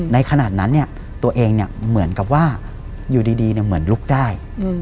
ขนาดนั้นตัวเองเหมือนกับว่าอยู่ดีเหมือนลุกได้